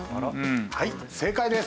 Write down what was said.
はい正解です。